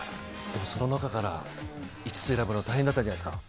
でもその中から５つを選ぶの大変だったじゃないですか？